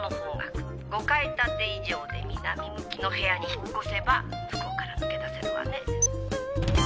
５階建て以上で南向きの部屋に引っ越せば不幸から抜け出せるわね」